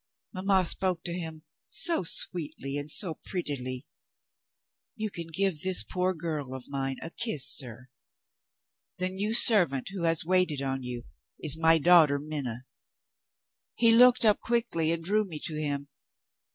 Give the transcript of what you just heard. Mamma spoke to him so sweetly and so prettily 'You can give this poor girl of mine a kiss, sir; the new servant who has waited on you is my daughter Minna.' He looked up quickly, and drew me to him.